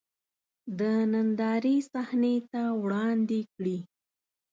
د نندارې صحنې ته وړاندې کړي.